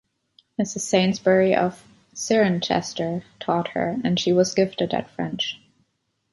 Mrs Saintsbury of Cirencester taught her and she was gifted at French.